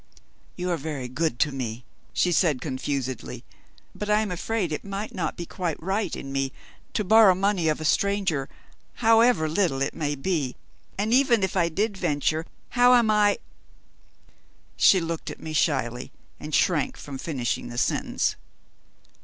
"You are very good to me," she said confusedly; "but I am afraid it might not be quite right in me to borrow money of a stranger, however little it may be. And, even if I did venture, how am I ?" She looked at me shyly, and shrank from finishing the sentence.